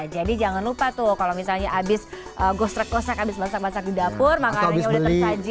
jadi jangan lupa tuh kalau misalnya habis ghost track kosak habis masak masak di dapur makanannya udah tersaji di meja